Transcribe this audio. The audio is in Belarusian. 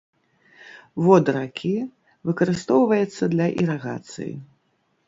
Воды ракі выкарыстоўваецца для ірыгацыі.